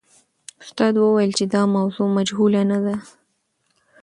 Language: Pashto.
استاد وویل چې دا موضوع مجهوله نه ده.